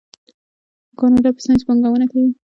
کاناډا په ساینس پانګونه کوي.